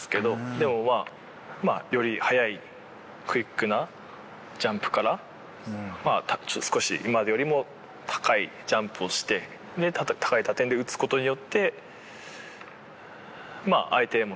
でもまあより早いクイックなジャンプから少し今までよりも高いジャンプをして高い打点で打つ事によって。